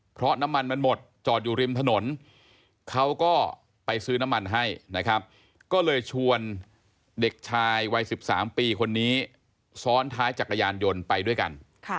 เพราะน้ำมันมันหมดจอดอยู่ริมถนนเขาก็ไปซื้อน้ำมันให้นะครับก็เลยชวนเด็กชายวัย๑๓ปีคนนี้ซ้อนท้ายจักรยานยนต์ไปด้วยกัน